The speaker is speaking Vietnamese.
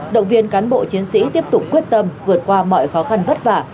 động viên cán bộ chiến sĩ tiếp tục quyết tâm vượt qua mọi khó khăn vất vả